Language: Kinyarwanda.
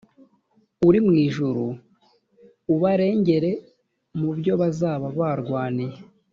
uri mu ijuru ubarengere mu byo bazaba barwaniye